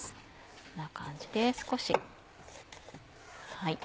こんな感じで少し。